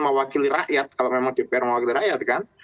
mewakili rakyat kalau memang dpr mewakili rakyat kan